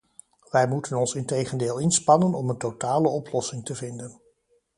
Wij moeten ons integendeel inspannen om een totale oplossing te vinden.